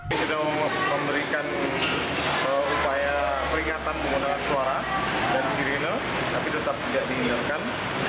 kita sudah memberikan upaya peringatan menggunakan suara dan sirene tapi tetap tidak dihindarkan